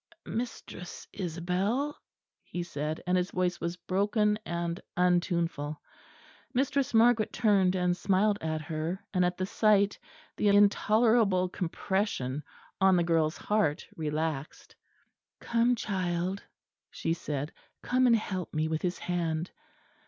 "Mistress Isabel," he said; and his voice was broken and untuneful. Mistress Margaret turned; and smiled at her; and at the sight the intolerable compression on the girl's heart relaxed. "Come, child," she said, "come and help me with his hand.